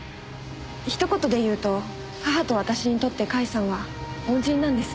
ひと言で言うと母と私にとって甲斐さんは恩人なんです。